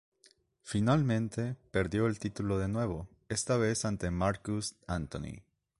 Finalmente, perdió el título de nuevo, esta vez ante Marcus Anthony.